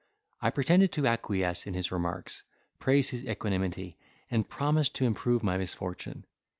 I pretended to acquiesce in his remarks, praise his equanimity, and promised to improve my misfortune.